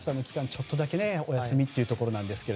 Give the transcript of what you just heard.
ちょっとだけお休みというところですが。